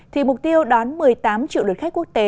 thì mục tiêu đón một mươi tám triệu lượt khách quốc tế